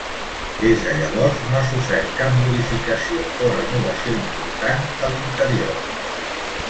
Des de llavors, no ha sofert cap modificació o renovació important de l'interior.